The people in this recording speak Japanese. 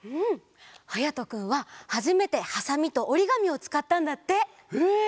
はやとくんははじめてハサミとおりがみをつかったんだって。え！？